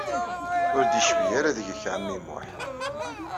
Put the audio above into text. Ur d-yecbi ara deg-k ɛemmi Muḥ.